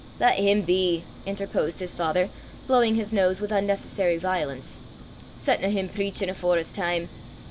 "Lat him be," interposed his father, blowing his nose with unnecessary violence; "setna him preachin' afore 's time.